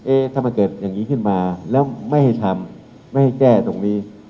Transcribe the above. ถ้ามันเกิดอย่างนี้ขึ้นมาแล้วไม่ให้ทำไม่ให้แก้ตรงนี้